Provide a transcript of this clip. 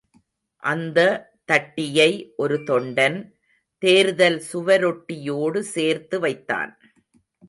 அந்த தட்டியை ஒரு தொண்டன், தேர்தல் சுவரொட்டியோடு சேர்த்து வைத்தான்.